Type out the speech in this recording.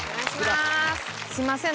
すみません。